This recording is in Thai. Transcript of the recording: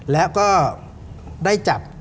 แล้วก็ได้จับ